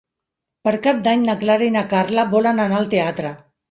Per Cap d'Any na Clara i na Carla volen anar al teatre.